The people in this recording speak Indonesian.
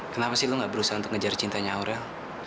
kenapa sih lo gak berusaha untuk ngejar cintanya aurel